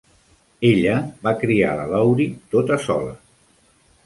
Ella va criar la Laurie tota sola.